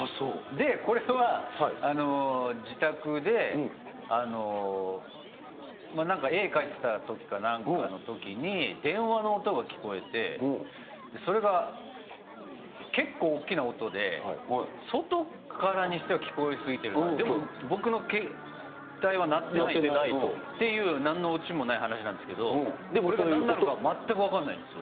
で、これは、自宅でなんか絵描いてたときかなんかのときに、電話の音が聞こえて、それが結構、大きな音で、外からにしては聞こえすぎてるな、でも僕の携帯は鳴ってないっていうなんのオチもない話なんですけど、なんなのか全く分からないんです。